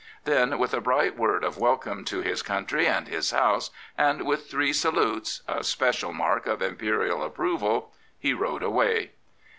Then with a bright word of welcome to his country and his house, and with three salutes — a special mark of Imperial approval — he rode away.